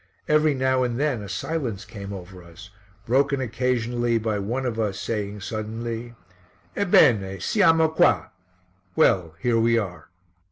Every now and then a silence came over us, broken occasionally by one of us saying suddenly "Ebbene, siamo qua!" ("Well, here we are!")